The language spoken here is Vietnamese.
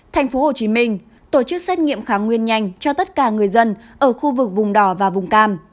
thành phố hồ chí minh tổ chức xét nghiệm kháng nguyên nhanh cho tất cả người dân ở khu vực vùng đỏ và vùng cam